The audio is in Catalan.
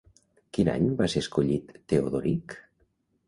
Quin any va ser escollit Teodoric?